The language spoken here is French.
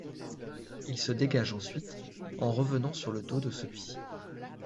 Il se dégage ensuite en revenant sur le dos de celui-ci.